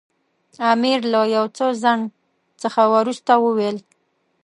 امیر له یو څه ځنډ څخه وروسته وویل.